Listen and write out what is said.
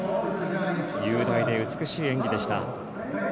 雄大で美しい演技でした。